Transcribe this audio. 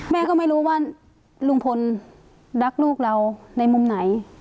แม่ก็ไม่รู้ว่าลุงพลรักลูกเราในมุมไหน